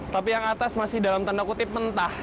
tapi yang atas masih dalam tanda kutip mentah